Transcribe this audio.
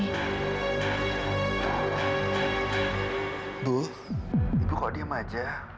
ibu ibu kok diam aja